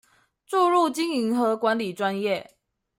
注入經營和管理專業